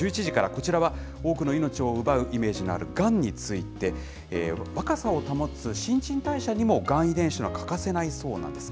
こちらは多くの命を奪うイメージのある、がんについて、若さを保つ新陳代謝にもがん遺伝子が欠かせないそうなんです。